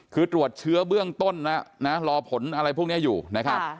คือตรวจเชื้อเบื้องต้นแล้วนะรอผลอะไรพวกนี้อยู่นะครับ